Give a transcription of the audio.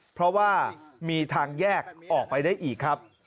เพราะว่ามีทางแยกออกไปได้อีกครับ